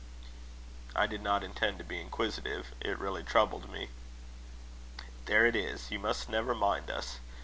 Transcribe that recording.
"I did not intend to be inquisitive it really troubled me." "There it is. You must never mind us.